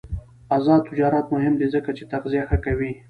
آزاد تجارت مهم دی ځکه چې تغذیه ښه کوي.